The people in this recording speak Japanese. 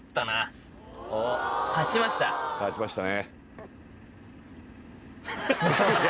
勝ちました。